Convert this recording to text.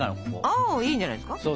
あいいんじゃないですか！